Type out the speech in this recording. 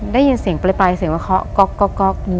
ได้ยินเสียงปลายเสียงว่าเคาะก๊อก